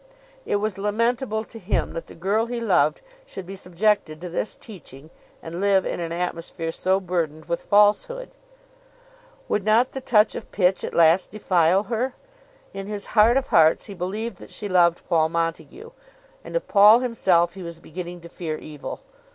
It was lamentable to him that the girl he loved should be subjected to this teaching, and live in an atmosphere so burdened with falsehood. Would not the touch of pitch at last defile her? In his heart of hearts he believed that she loved Paul Montague; and of Paul himself he was beginning to fear evil.